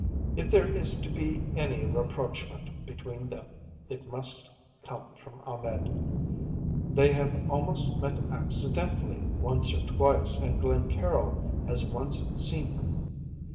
If there is to be any rapprochement between them it must come from Ahmed. They have almost met accidentally once or twice, and Glencaryll has once seen him.